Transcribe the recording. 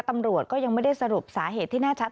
ตำรวจก็ยังไม่ได้สรุปสาเหตุที่แน่ชัด